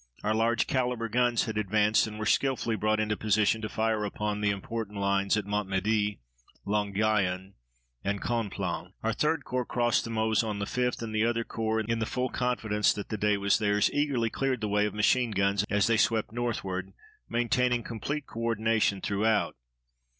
Our large calibre guns had advanced and were skillfully brought into position to fire upon the important lines at Montmedy, Longuyon, and Conflans. Our 3d Corps crossed the Meuse on the 5th, and the other corps, in the full confidence that the day was theirs, eagerly cleared the way of machine guns as they swept northward, maintaining complete co ordination throughout.